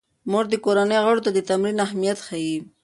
مور د کورنۍ غړو ته د تمرین اهمیت ښيي.